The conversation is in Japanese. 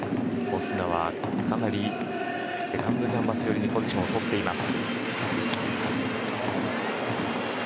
オスナはかなりセカンドキャンバス寄りにポジションをとっています。